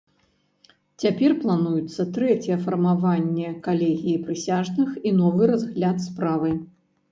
Цяпер плануецца трэцяе фармаванне калегіі прысяжных і новы разгляд справы.